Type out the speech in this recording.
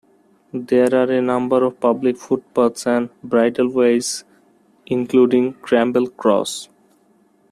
There are a number of public footpaths and bridleways, including Cramble Cross.